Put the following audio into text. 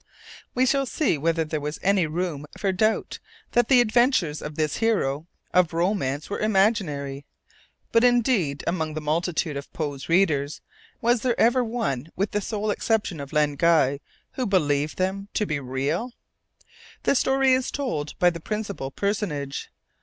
We shall see whether there was any room for doubt that the adventures of this hero of romance were imaginary. But indeed, among the multitude of Poe's readers, was there ever one, with the sole exception of Len Guy, who believed them to be real? The story is told by the principal personage.